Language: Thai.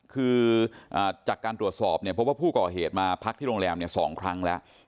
คือจากการตรวจสอบเนี่ยพบว่าผู้ก่อเหตุมาพักที่โรงแรม๒ครั้งแล้ว